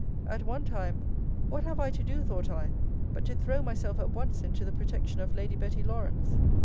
At one time, What have I to do, thought I, but to throw myself at once into the protection of Lady Betty Lawrance?